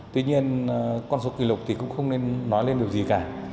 tuy nhiên con số kỷ lục thì cũng không nên nói lên được gì cả